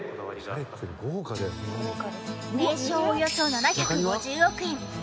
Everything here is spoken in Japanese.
およそ７５０億円。